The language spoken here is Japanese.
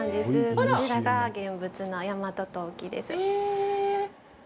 こちらが現物の大和当帰です。